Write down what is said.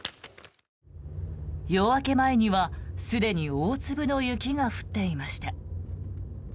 夜明け前にはすでに大粒の雪が降っていました。